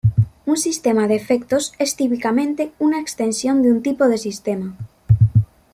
Un sistema de efectos es típicamente una extensión de un tipo de sistema.